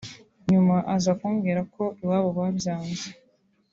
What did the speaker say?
nyuma aza kumbwira ko iwabo babyanze